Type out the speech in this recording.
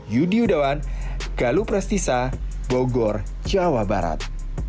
yudi udawan galup restisa bogor jawa barat